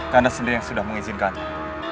karena sendiri yang sudah mengizinkannya